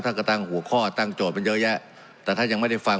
ท่านก็ตั้งหัวข้อตั้งโจทย์มันเยอะแยะแต่ท่านยังไม่ได้ฟัง